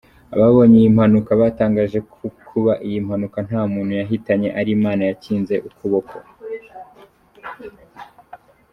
Ababonye iyi mpanuka batangaje ko kuba iyi mpanuka ntamuntu yahitanye ari Imana yakinze ukuboko.